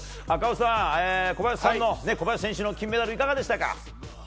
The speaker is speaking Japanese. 赤星さん、小林選手の金メダル、いかがでしたか？